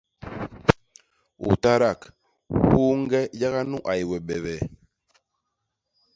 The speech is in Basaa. U tadak, huñge yaga nu a yé we bebee!